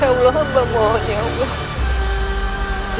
ya allah mbak mohon ya allah